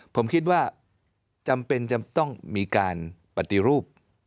ผมคิดว่าจำเป็นจะต้องมีการปฏิรูป